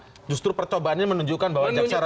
jadi justru percobaannya menunjukkan bahwa jaksa ragu ragu